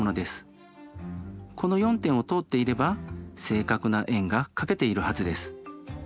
この４点を通っていれば正確な円が描けているはずです。